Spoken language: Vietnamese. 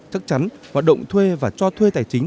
chắc chắn hoạt động thuê và cho thuê tài chính